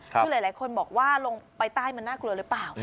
คือหลายคนบอกว่าลงไปใต้มันน่ากลัวหรือเปล่า